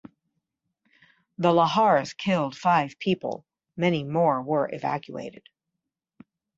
The lahars killed five people; many more were evacuated.